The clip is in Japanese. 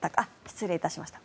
失礼しました。